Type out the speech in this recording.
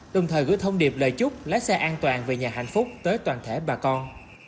đồng thời gửi thông điệp lời chúc lái xe an toàn về nhà hạnh phúc tới toàn thể bà con